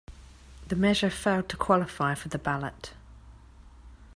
The measure failed to qualify for the ballot.